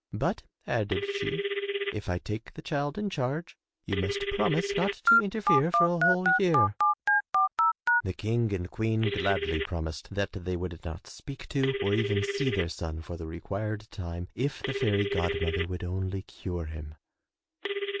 "But," added she, "if I take the child in charge you must promise not to inter fere for a whole year/' The King and Queen gladly promised that they would not speak to or even see their son for the required time if the fairy god mother would only cure him.